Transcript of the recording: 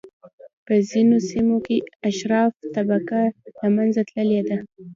په ځینو سیمو کې اشراف طبقه له منځه تللې ده.